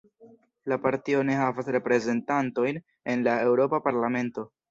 La partio ne havas reprezentantojn en la Eŭropa Parlamento.